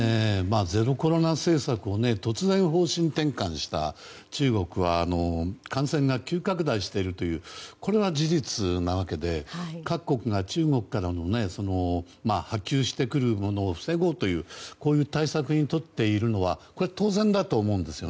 ゼロコロナ政策を突然方針転換した中国は感染が急拡大しているというこれは事実なわけで各国が中国から波及してくるものを防ごうという対策をとっているのはこれは当然だと思うんですよ。